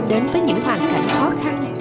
đến với những hoàn cảnh khó khăn